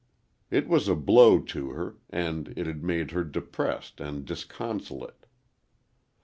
It was a blow to her, and it had made her depressed and disconsolate.